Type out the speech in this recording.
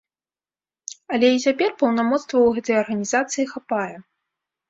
Але і цяпер паўнамоцтваў у гэтай арганізацыі хапае.